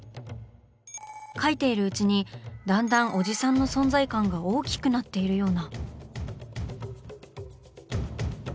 描いているうちにだんだんおじさんの存在感が大きくなっているような。